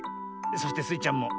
そしてスイちゃんも。